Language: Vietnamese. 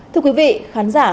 thưa quý vị khán giả